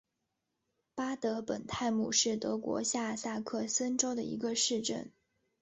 巴德本泰姆是德国下萨克森州的一个市镇。